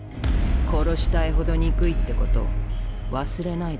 殺したいほど憎いってこと忘れないで。